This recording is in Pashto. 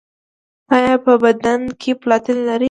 ایا په بدن کې پلاتین لرئ؟